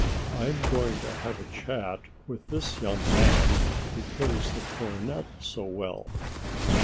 I'm going to have a chat with this young man who plays the cornet so well."